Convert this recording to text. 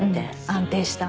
安定した。